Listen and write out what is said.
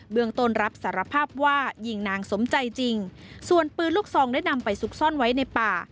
เมืองต้นรับสารภาพว่ายิงนางสมใจจริงส่วนปืนลูกซองได้นำไปซุกซ่อนไว้ในป่า